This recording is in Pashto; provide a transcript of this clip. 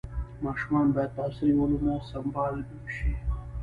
ماشومان باید په عصري علومو سمبال شي.